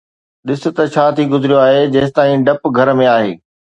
ڏس ته ڇا ٿي گذريو آهي، جيستائين ڊپ گهر ۾ آهي